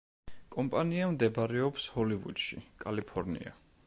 კომპანია მდებარეობს ჰოლივუდში, კალიფორნია.